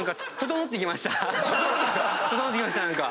整ってきました何か。